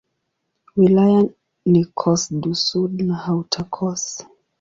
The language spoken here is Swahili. Wilaya ni Corse-du-Sud na Haute-Corse.